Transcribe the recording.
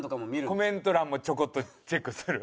コメント欄もちょこっとチェックする。